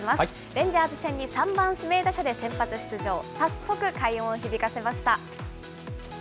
レンジャーズ戦に３番指名打者で先発出場、早速快音を響かせました。